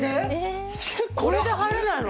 これで入れないの？